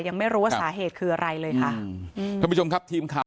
ยังไม่รู้ว่าสาเหตุคืออะไรเลยค่ะอืมท่านผู้ชมครับทีมข่าว